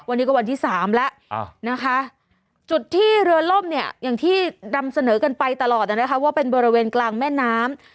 วันนี้ก็วันที่๓แล้วนะคะจุดที่เรือล่มเนี่ยอย่างที่นำเสนอกันไปตลอดนะคะว่าเป็นบริเวณกลางแม่น้ำ